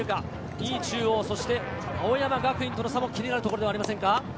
２位・中央、そして青山学院との差も気になるところです。